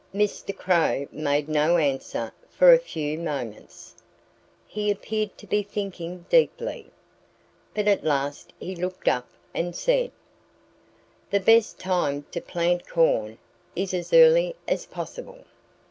Mr. Crow made no answer for a few moments. He appeared to be thinking deeply. But at last he looked up and said: "The best time to plant corn is as early as possible."